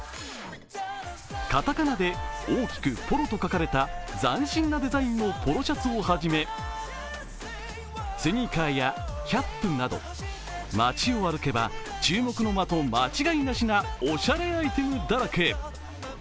カタカナで大きくポロと書かれた斬新なデザインのポロシャツをはじめスニーカーやキャップなど街を歩けば、注目の的間違いなしなおしゃれアイテムだらけ。